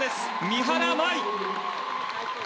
三原舞依。